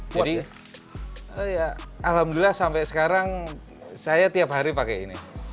jadi alhamdulillah sampai sekarang saya tiap hari pakai ini